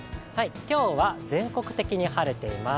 今日は全国的に晴れています。